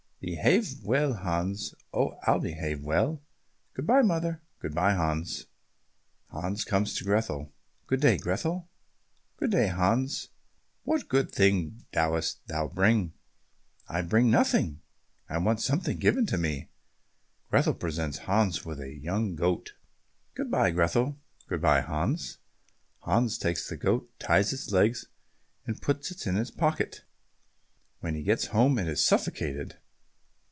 "Behave well, Hans." "Oh, I'll behave well. Good bye, mother." "Good bye, Hans." Hans comes to Grethel. "Good day, Grethel." "Good day, Hans. What good thing dost thou bring?" "I bring nothing, I want something given me." Grethel presents Hans with a young goat. "Good bye, Grethel." "Good bye, Hans." Hans takes the goat, ties its legs, and puts it in his pocket. When he gets home it is suffocated.